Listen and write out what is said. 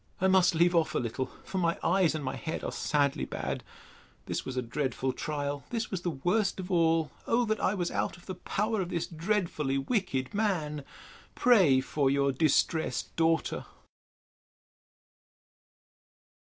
I must leave off a little; for my eyes and my head are sadly bad.—This was a dreadful trial! This was the worst of all! Oh, that I was out of the power of this dreadfully wicked man! Pray for Your distressed DAUGHTER.